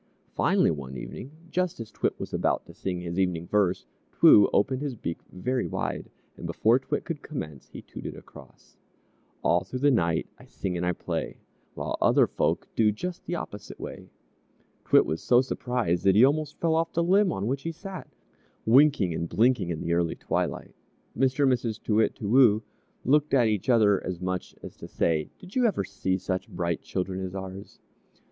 Finally, one evening just as T'wit was about to sing his evening verse, T'woo opened his beak very wide, and before T'wit could commence, he tooted across: "All thro' the night I sing and I play, While other folk do Just the opposite way!" T'wit was so surprised that he almost fell off the limb on which he sat, winking and blinking in the early twilight. Mr. and Mrs. Too Wit, Too Woo looked at each other as much as to say, "Did you ever see such bright children as ours?"